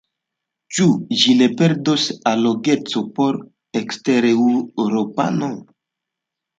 Ĉu ĝi ne perdos allogecon por ekstereŭropanoj?